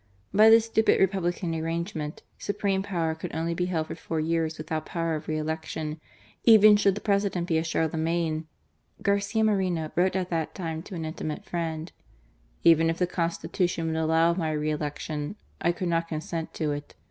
By this stupid Republican arrange ment, supreme power could only be held for four years without power of re election, even should the President be a Charlemagne. Garcia Moreno wrote at that time to an intimate friend :" Even if the Constitution would allow of my re election, I could not consent to it.